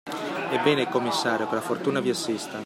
Ebbene, commissario, che la fortuna vi assista!